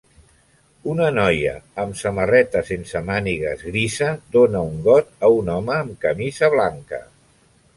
Una noia amb samarreta sense mànigues grisa dona un got a un home amb camisa blanca.